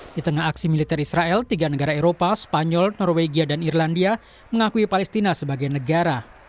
di tengah aksi militer israel tiga negara eropa spanyol norwegia dan irlandia mengakui palestina sebagai negara